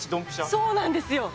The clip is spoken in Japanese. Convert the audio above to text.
そうなんですよ。